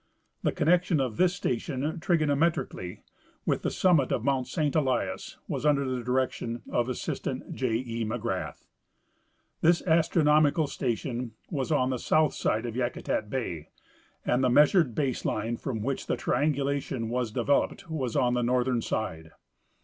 The connection of this station trig onometrically with the summit of mount Saint Elias was under the direction of assistant J. E. McGrath. The astronomical sta tion was on the southern side of Yakutat bay, and the measured base line from which the triangulation was developed w^as on the northern side.